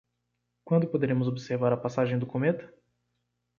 Quando poderemos observar a passagem do cometa?